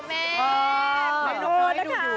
เกิดอะไรขึ้น